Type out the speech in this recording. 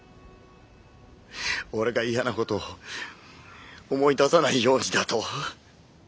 俺が嫌な事を思い出さないようにだと？